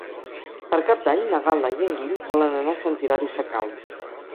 Per Cap d'Any na Gal·la i en Guim volen anar a Sant Hilari Sacalm.